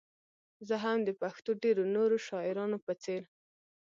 زه هم د پښتو ډېرو نورو شاعرانو په څېر.